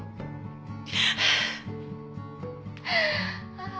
ああ。